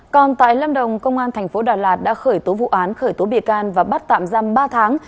còn tại lâm đồng công an tp đà lạt đã khởi tố vụ án khởi tố bịa can và bắt tạm giam ba tháng